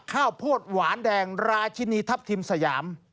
ข้าวโพดหวานแดงราชินีทัพทิมสยาม